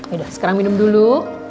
udah sekarang minum dulu